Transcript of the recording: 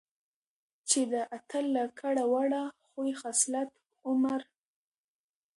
چې د اتل له کړه وړه ،خوي خصلت، عمر،